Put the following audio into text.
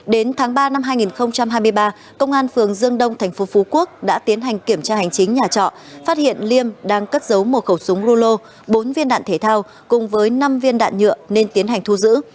đến tháng ba năm hai nghìn hai mươi ba công an phường dương đông tp phú quốc đã tiến hành kiểm tra hành chính nhà trọ phát hiện liêm đang cất giấu một khẩu súng rulo bốn viên đạn thể thao cùng với năm viên đạn nhựa nên tiến hành thu giữ